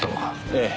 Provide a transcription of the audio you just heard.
ええ。